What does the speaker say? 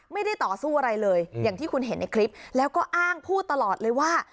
ไม่ได้ต่อสู้อะไรเลยอย่างที่คุณเห็นในคลิปแล้วก็อ้างพูดตลอดเลยว่า